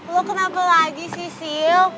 lo kenapa lagi sih sil